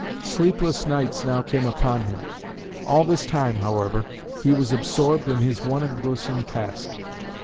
Sleepless nights now came upon him. All this time, however, he was absorbed in his one engrossing task.